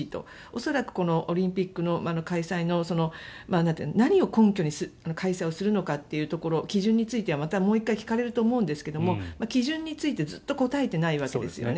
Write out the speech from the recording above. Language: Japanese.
恐らく、オリンピックの開催の何を根拠に開催をするのかというところ基準についてはまたもう１回聞かれると思うんですが基準についてずっと答えてないわけですよね。